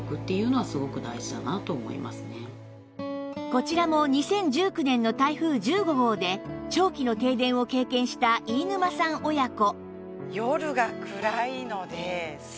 こちらも２０１９年の台風１５号で長期の停電を経験した飯沼さん親子